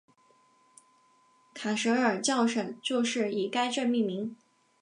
卡舍尔教省就是以该镇命名。